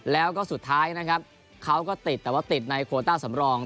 แล้วก็สุดท้ายนะครับเขาก็ติดแต่ว่าติดในโคต้าสำรอง